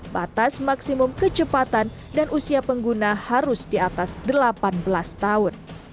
batas maksimum kecepatan dan usia pengguna harus di atas delapan belas tahun